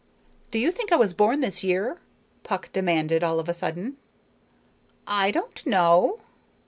"Do you think I was born this year?" Puck demanded all of a sudden. "I don't know."